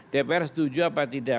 dpr setuju apa tidak